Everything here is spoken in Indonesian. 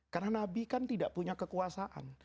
karena nabi kan tidak punya kekuasaan